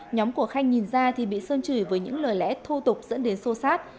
nhóm của khanh nhìn ra thì bị sơn chửi với những lời lẽ thô tục dẫn đến sô sát